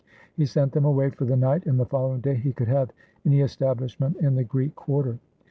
He sent them away for the night, and the following day he could have any establishment in the Greek quarter.